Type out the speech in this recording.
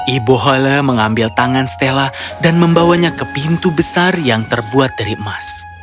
ibu hole mengambil tangan stella dan membawanya ke pintu besar yang terbuat dari emas